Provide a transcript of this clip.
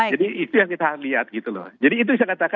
jadi itu yang kita lihat gitu loh